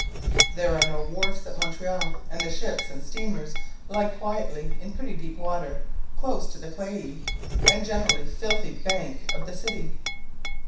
"There are no wharfs at Montreal, and the ships and steamers lie quietly in pretty deep water, close to the clayey and generally filthy bank of the city.